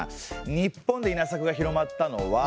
日本で稲作が広まったのは。